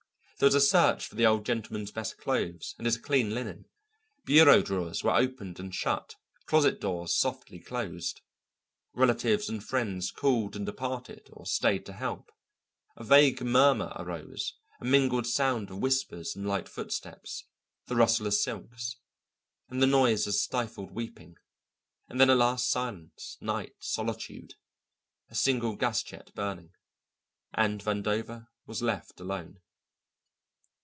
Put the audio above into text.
There was a search for the Old Gentleman's best clothes and his clean linen; bureau drawers were opened and shut, closet doors softly closed. Relatives and friends called and departed or stayed to help. A vague murmur arose, a mingled sound of whispers and light foot steps, the rustle of silks, and the noise of stifled weeping, and then at last silence, night, solitude, a single gas jet burning, and Vandover was left alone.